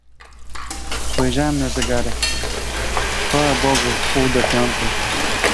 "Spojrzałem na zegarek: chwała Bogu wpół do piątej."